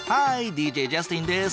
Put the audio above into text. ＤＪジャスティンです。